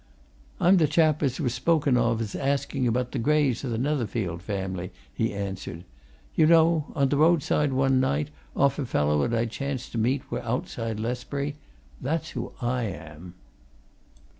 "I'm t' chap 'at were spoken of as asking about t' graves o' t' Netherfield family," he answered. "You know on t' roadside one night, off a fellow 'at I chanced to meet wi' outside Lesbury. That's who I am!"